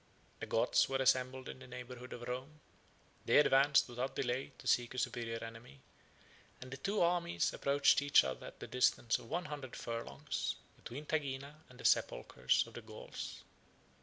34 The Goths were assembled in the neighborhood of Rome, they advanced without delay to seek a superior enemy, and the two armies approached each other at the distance of one hundred furlongs, between Tagina 35 and the sepulchres of the Gauls.